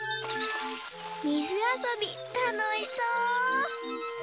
みずあそびたのしそう！